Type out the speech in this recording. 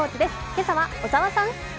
今朝は小沢さん。